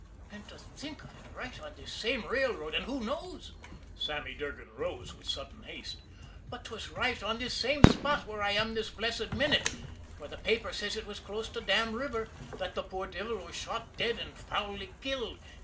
And to think of it right on this same railroad! And who knows" Sammy Durgan rose with sudden haste "but 'twas right on this same spot where I am this blessed minute, for the paper says it was close to Dam River, that the poor devil was shot dead and foully killed!